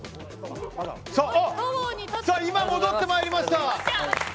今戻ってまいりました。